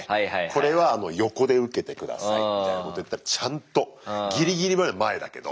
これは横で受けて下さいみたいなこと言ったらちゃんとギリギリまで前だけど。